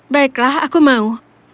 baiklah aku mau